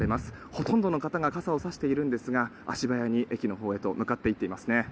ほとんどの方が傘をさしているんですが足早に駅のほうへと向かっていっています。